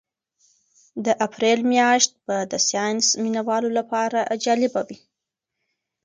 د اپریل میاشت به د ساینس مینه والو لپاره جالبه وي.